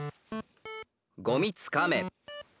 「ゴミつかめ」。